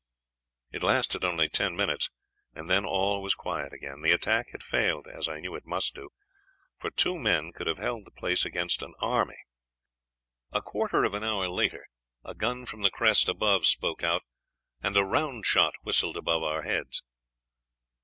It lasted only ten minutes, and then all was quiet again. "The attack had failed, as I knew it must do, for two men could have held the place against an army; a quarter of an hour later a gun from the crest above spoke out, and a round shot whistled above our heads.